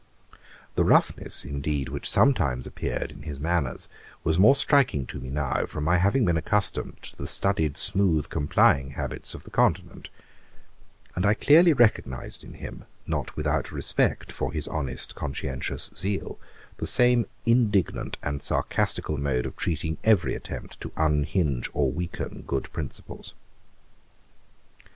The roughness, indeed, which sometimes appeared in his manners, was more striking to me now, from my having been accustomed to the studied smooth complying habits of the Continent; and I clearly recognised in him, not without respect for his honest conscientious zeal, the same indignant and sarcastical mode of treating every attempt to unhinge or weaken good principles.